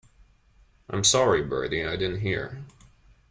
I'm sorry, Bertie, I didn't hear.